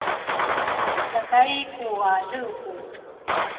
yakay ku alebe